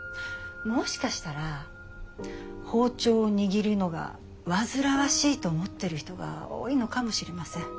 もしかしたら包丁を握るのが煩わしいと思ってる人が多いのかもしれません。